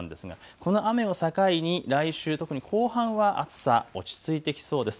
この雨を境に来週、特に後半は暑さは、落ち着いてきそうです。